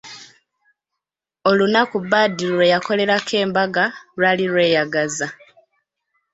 Olunaku Badru lwe yakolerako embaga lwali lweyagaza.